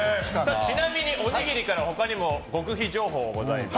ちなみにおにぎりから他にも極秘情報があります。